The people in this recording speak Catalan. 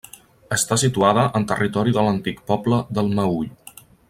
Està situada en territori de l'antic poble del Meüll.